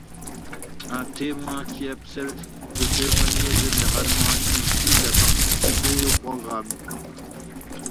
Un témoin qui accepte de témoigner est généralement admissible à participer au programme.